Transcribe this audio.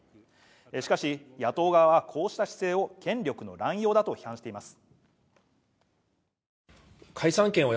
しかし、野党側はこうした姿勢を、権力の乱用だと批判しています。